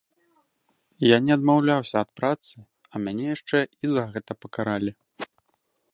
Я не адмаўляўся ад працы, а мяне яшчэ і за гэта пакаралі.